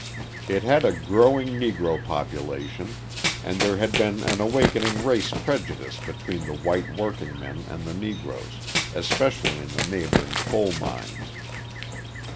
It had a growing Negro population and there had been an awakening race prejudice between the white workingmen and the Negroes, especially in the neighbouring coal mines.